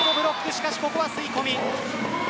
しかし、ここは吸い込み。